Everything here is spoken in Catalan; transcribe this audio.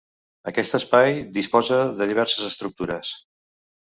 Aquest espai disposa de diverses estructures.